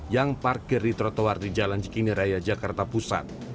yang parkir di trotoar di jalan cikini raya jakarta pusat